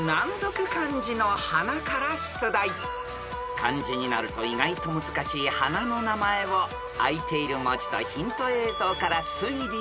［漢字になると意外と難しい花の名前をあいている文字とヒント映像から推理してお答えください］